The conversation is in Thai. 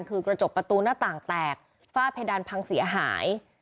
คือกระจกประตูหน้าต่างแตกฝ้าเพดานพังเสียหาย